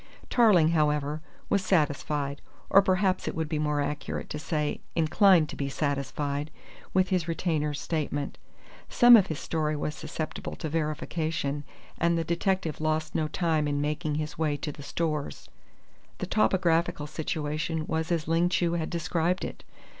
Tarling, however, was satisfied or perhaps it would be more accurate to say inclined to be satisfied with his retainer's statement. Some of his story was susceptible to verification, and the detective lost no time in making his way to the Stores. The topographical situation was as Ling Chu had described it.